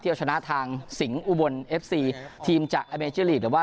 เอาชนะทางสิงห์อุบลเอฟซีทีมจากอเมเจอร์ลีกหรือว่า